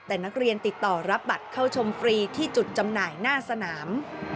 แต่นักเรียนติดต่อรับบัตรเข้าชมฟรีที่จุดจำหน่ายหน้าสนาม